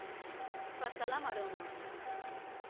Passar la maroma.